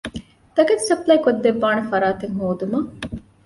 ތަކެތި ސަޕްލައި ކޮށްދެއްވާނޭ ފަރާތެއް ހޯދުމަށް